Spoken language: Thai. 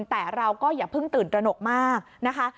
แต่เราก็อย่าเพิ่งตื่นตระหนกมากนะคะ